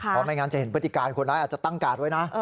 เพราะไม่งั้นจะเห็นพฤติการคนร้ายอาจจะตั้งการ์ดไว้นะ